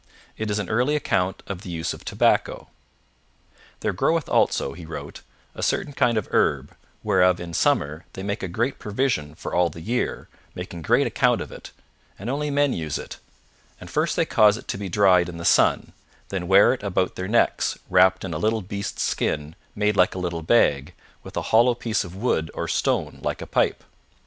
It is an early account of the use of tobacco. 'There groweth also,' he wrote, 'a certain kind of herb, whereof in summer they make a great provision for all the year, making great account of it, and only men use it, and first they cause it to be dried in the sun, then wear it about their necks, wrapped in a little beast's skin made like a little bag, with a hollow piece of wood or stone like a pipe.